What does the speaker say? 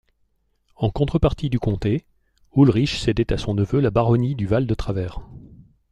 En contrepartie du comté, Ulrich cédait à son neveu la baronnie du Val-de-Travers.